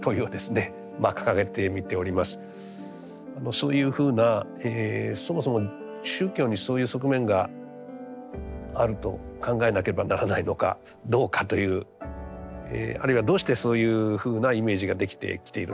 そういうふうなそもそも宗教にそういう側面があると考えなければならないのかどうかというあるいはどうしてそういうふうなイメージができてきているのかというふうな